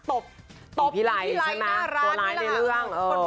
ตบพี่ไรน่ารักนี่แหละค่ะตัวไรในเรื่อง